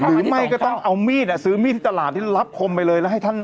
หรือไม่ก็ต้องเอามีดซื้อมีดที่ตลาดที่รับคมไปเลยแล้วให้ท่าน